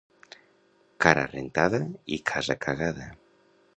Cara rentada i casa cagada.